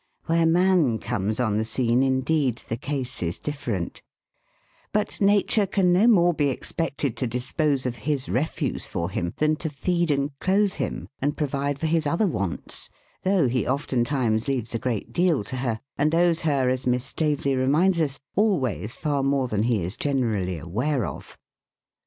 Where man comes on the scene, indeed, the case is dif ferent ; but Nature can no more be expected to dispose of his refuse for him than to feed and clothe him, and pro vide for his other wants, though he oftentimes leaves a great deal to her, and owes her, as Miss Staveley reminds us, always far more than he is generally aware of.